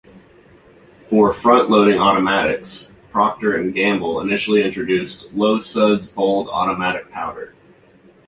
For front loading automatics, Procter and Gamble initially introduced "Low Suds Bold Automatic" powder.